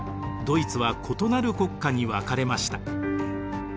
ドイツは異なる国家に分かれました。